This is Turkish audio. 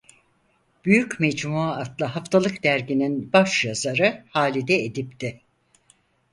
Büyük Mecmua adlı haftalık derginin başyazarı Halide Edip'ti.